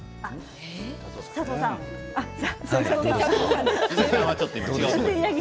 佐藤さんね。